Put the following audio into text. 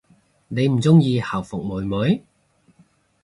你唔鍾意校服妹妹？